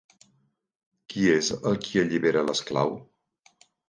Qui és el qui allibera l'esclau?